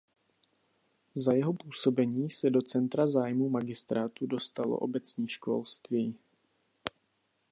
Za jeho působení se do centra zájmu magistrátu dostalo obecní školství.